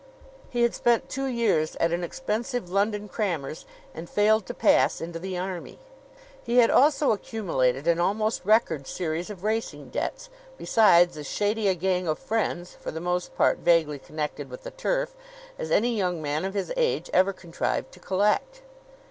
He had spent two years at an expensive London crammer's and failed to pass into the army. He had also accumulated an almost record series of racing debts, besides as shady a gang of friends for the most part vaguely connected with the turf as any young man of his age ever contrived to collect.